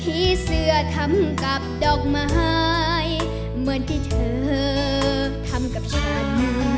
ผีเสื้อทำกับดอกไม้เหมือนที่เธอทำกับฉัน